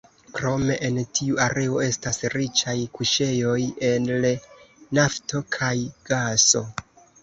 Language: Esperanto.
Krome en tiu areo estas riĉaj kuŝejoj el nafto kaj gaso.